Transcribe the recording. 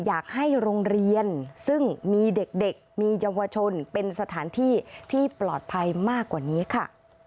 อยากให้โรงเรียนซึ่งมีเด็กมีเยาวชนเป็นสถานที่ที่ปลอดภัยมากกว่านี้ค่ะ